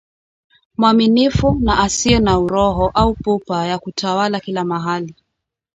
mwaminifu na asiye na uroho au pupa ya kutawala kila mahali